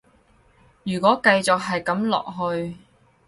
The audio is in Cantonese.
如果繼續係噉落去